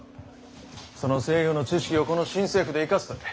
その西洋の知識をこの新政府で生かすとええ。